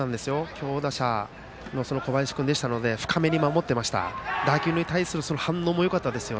強打者の小林君でしたので深めに守っていたので打球に対する反応もよかった。